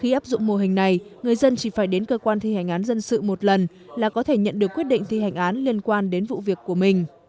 khi áp dụng mô hình này người dân chỉ phải đến cơ quan thi hành án dân sự một lần là có thể nhận được quyết định thi hành án liên quan đến vụ việc của mình